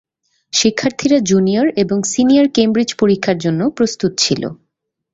শিক্ষার্থীরা জুনিয়র এবং senior Cambridge পরীক্ষার জন্য প্রস্তুত ছিল।